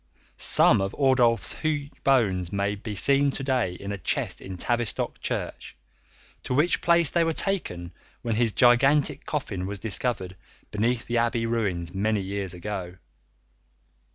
Some of Ordulph's huge bones may be seen to day in a chest in Tavistock church, to which place they were taken when his gigantic coffin was discovered beneath the abbey ruins many years ago.